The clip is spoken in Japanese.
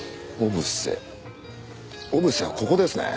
小布施はここですね。